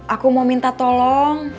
aku mau minta tolong